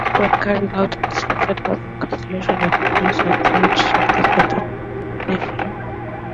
When carrying out unrestricted Hartree-Fock calculations, it is always necessary to check this contamination.